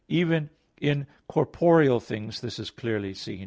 Even in corporeal things this is clearly seen.